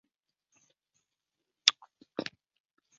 附近还有建于唐朝开元十一年的周公测景台。